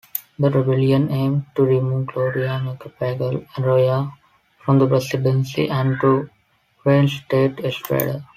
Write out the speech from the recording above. The rebellion aimed to remove Gloria Macapagal-Arroyo from the presidency and to reinstate Estrada.